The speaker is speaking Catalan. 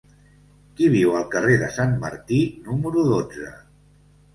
Qui viu al carrer de Sant Martí número dotze?